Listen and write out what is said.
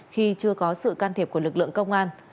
khi chưa có sự can thiệp của lực lượng công an